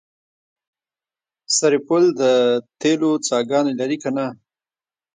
سرپل د تیلو څاګانې لري که نه؟